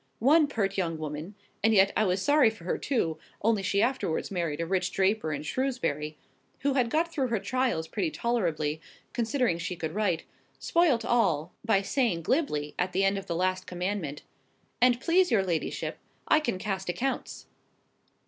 One pert young woman—and yet I was sorry for her too, only she afterwards married a rich draper in Shrewsbury—who had got through her trials pretty tolerably, considering she could write, spoilt all, by saying glibly, at the end of the last Commandment, "An't please your ladyship, I can cast accounts."